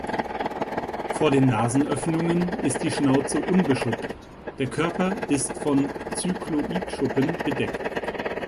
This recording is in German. Vor den Nasenöffnungen ist die Schnauze unbeschuppt, der Körper ist von Cycloidschuppen bedeckt.